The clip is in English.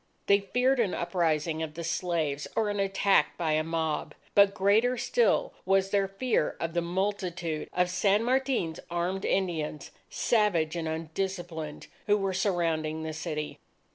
They feared an uprising of the slaves or an attack by a mob. But greater still was their fear of the multitude of San Martin's armed Indians, savage and undisciplined, who were surrounding the city.